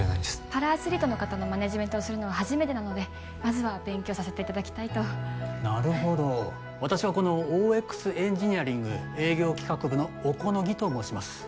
パラアスリートの方のマネージメントをするのは初めてなのでまずは勉強させていただきたいとなるほど私はこのＯＸエンジニアリング営業企画部の小此木と申します